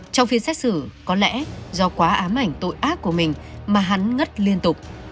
trong phiên xét xử có lẽ do quá á ám ảnh tội ác của mình mà hắn ngất liên tục